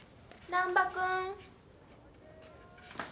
難破君。